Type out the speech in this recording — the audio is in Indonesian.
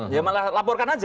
ya malah laporkan saja